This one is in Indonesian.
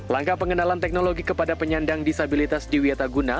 langkah pengenalan teknologi kepada penyandang disabilitas di wiataguna